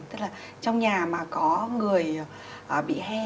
tức là trong nhà mà có người bị he